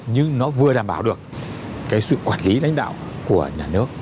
nhưng nó vừa đảm bảo được cái sự quản lý đánh đạo của nhà nước